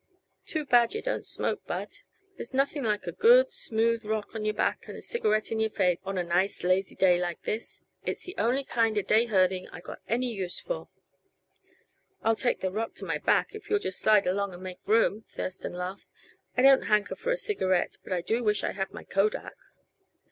"Too bad yuh don't smoke, Bud. There's nothing like a good, smooth rock to your back and a cigarette in your face, on a nice, lazy day like this. It's the only kind uh day herding I got any use for." "I'll take the rock to my back, if you'll just slide along and make room," Thurston laughed. "I don't hanker for a cigarette, but I do wish I had my Kodak."